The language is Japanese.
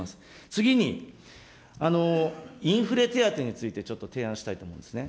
次に、インフレ手当についてちょっと提案したいと思うんですね。